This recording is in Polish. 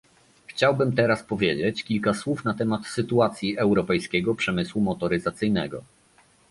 Chciałbym teraz powiedzieć kilka słów na temat sytuacji europejskiego przemysłu motoryzacyjnego